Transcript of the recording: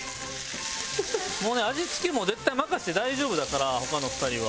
もうね味付けも絶対任せて大丈夫だから他の２人は。